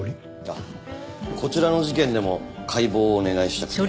あっこちらの事件でも解剖をお願いしたくて。